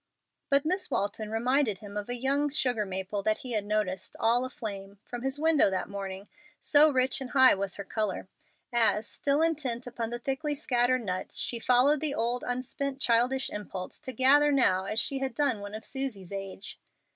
But Miss Walton reminded him of a young sugar maple that he had noticed, all aflame, from his window that morning, so rich and high was her color, as, still intent upon the thickly scattered nuts, she followed the old unspent childish impulse to gather now as she had done when of Susie's age.